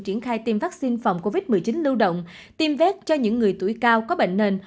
triển khai tiêm vaccine phòng covid một mươi chín lưu động tiêm vét cho những người tuổi cao có bệnh nền